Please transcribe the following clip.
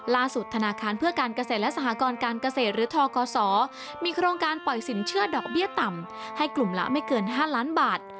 ธนาคารเพื่อการเกษตรและสหกรการเกษตรหรือทกศมีโครงการปล่อยสินเชื่อดอกเบี้ยต่ำให้กลุ่มละไม่เกิน๕ล้านบาท